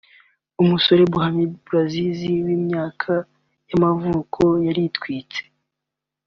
umusore Mohamed Bouazizi w’imyaka y’amavuko yaritwitse